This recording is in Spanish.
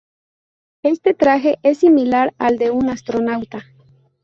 Este traje es similar al de un astronauta.